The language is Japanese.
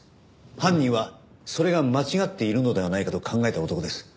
犯人はそれが間違っているのではないかと考えた男です。